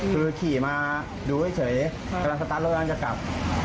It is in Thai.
คือขี่มาดูเฉยกำลังสตาร์ทรถกำลังจะกลับ